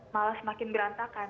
malah semakin berantakan